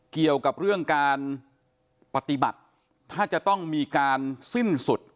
เกี่ยวกับเรื่องการปฏิบัติถ้าจะต้องมีการสิ้นสุด